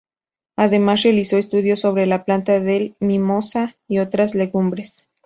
Además, realizó estudios sobre la planta de "Mimosa" y otras legumbres.